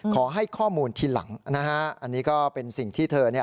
ขอให้ข้อมูลทีหลังนะฮะอันนี้ก็เป็นสิ่งที่เธอเนี่ย